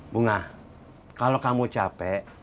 bunga kalau kamu capek